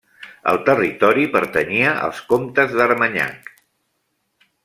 El territori pertanyia als comtes d'Armanyac.